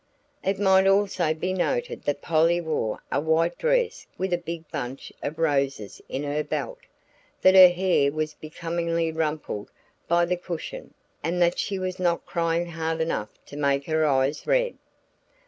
It might also be noted that Polly wore a white dress with a big bunch of roses in her belt, that her hair was becomingly rumpled by the cushion, and that she was not crying hard enough to make her eyes red.